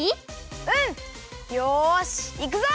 よしいくぞ！